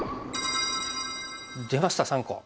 出ました３個。